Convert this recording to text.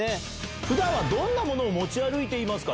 ふだんはどんなものを持ち歩いていますか？